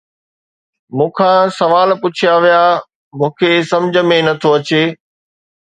مون کان سوال پڇيا ويا، مون کي سمجھ ۾ نه ٿو اچي